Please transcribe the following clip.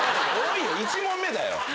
１問目だよ！